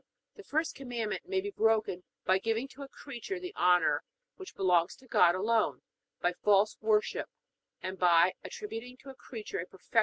The first Commandment may be broken by giving to a creature the honor which belongs to God alone; by false worship; and by attributing to a creature a perfection which belongs to God alone.